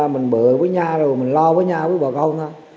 mình bự với nha rồi mình lo với nha với bà con thôi